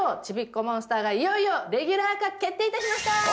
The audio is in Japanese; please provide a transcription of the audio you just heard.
ちびっこモンスター」がいよいよレギュラー化決定いたしました！